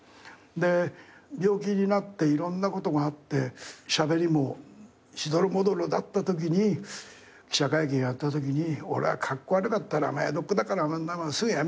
で病気になっていろんなことがあってしゃべりもしどろもどろだったときに記者会見やったときに「俺はカッコ悪かったら江戸っ子だからそんなもんすぐやめちゃいたいんだよ」